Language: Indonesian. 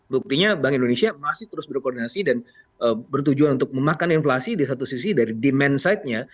buktinya bank indonesia masih terus berkoordinasi dan bertujuan untuk memakan inflasi di satu sisi dari demand side nya